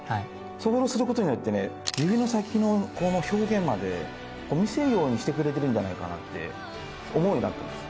それをすることによって指の先の表現まで見せるようにしてくれてるんじゃないかって思うようになってます。